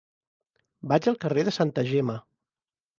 Vaig al carrer de Santa Gemma.